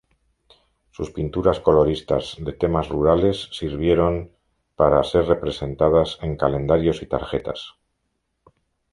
Sus pinturas coloristas de tema rurales sirvieron para ser representadas en calendarios y tarjetas.